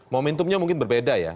momentumnya mungkin berbeda ya